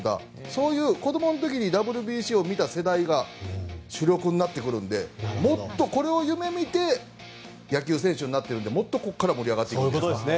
そういう子供の時にＷＢＣを見た世代が主力になってくるのでこれを夢見て野球選手になっているのでもっと盛り上がっていきますね。